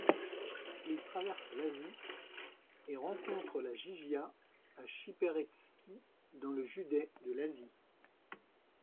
Il traverse Iași et rencontre la Jijia à Chipereşti dans le județ de Iași.